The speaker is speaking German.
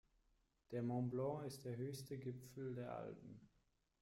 Der Mont Blanc ist der höchste Gipfel der Alpen.